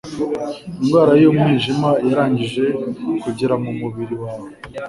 indwara y'umwijima yarangije kugera mu mubiei wawe